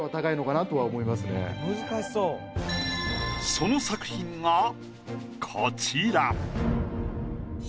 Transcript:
その作品がこちら。